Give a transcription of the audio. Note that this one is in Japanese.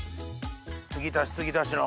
継ぎ足し継ぎ足しの。